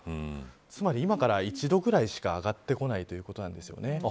つまり今から１度ぐらいしか上がってこないということなんですよね。